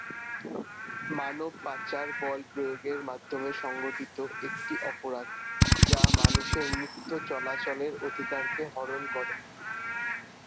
মানব পাচার বল প্রয়োগের মাধ্যমে সংঘটিত একটি অপরাধ যা মানুষের মুক্ত চলাচলের অধিকারকে হরণ করে।